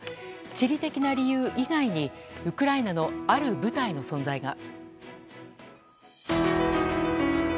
地理的な理由以外にウクライナのある部隊の存在が。